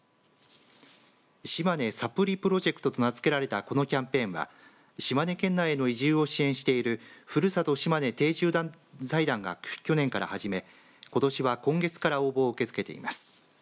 しまねサプリプロジェクトと名付けられたこのキャンペーンは島根県内への移住を支援しているふるさと島根定住財団が去年から始めことしは今月から応募を受け付けています。